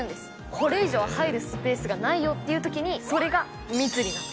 これ以上入るスペースがないよっていうときに、それが蜜になって。